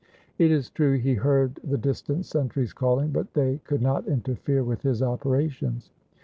It is true he heard the distant sentries calling, but they could not interfere with his operations.